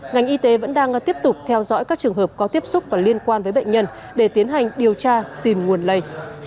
ngành y tế vẫn đang tiếp tục theo dõi các trường hợp có tiếp xúc và liên quan với bệnh nhân để tiến hành điều tra tìm nguồn lây